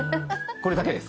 これだけです。